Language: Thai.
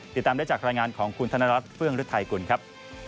ติดตามได้จากรายงานของคุณธนรัฐเฟื่องฤทัยกุลครับ